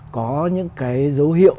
có những cái dấu hiệu